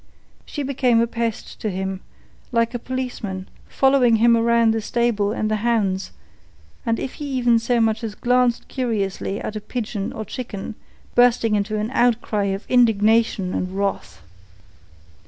She became a pest to him, like a policeman following him around the stable and the hounds, and, if he even so much as glanced curiously at a pigeon or chicken, bursting into an outcry of indignation and wrath.